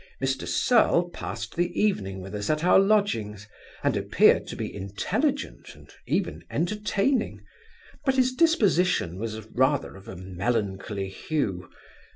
Mr Serle passed the evening with us at our lodgings; and appeared to be intelligent, and even entertaining; but his disposition was rather of a melancholy hue.